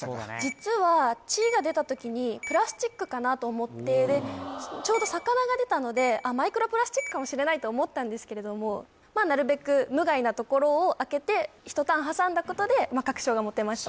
実は「チ」が出た時にプラスチックかなと思ってちょうど「魚」が出たのでマイクロプラスチックかもしれないと思ったんですけれどもなるべく無害なところを開けて１ターン挟んだことで確証が持てました